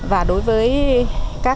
và đối với các